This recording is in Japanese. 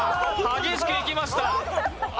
激しくいきました。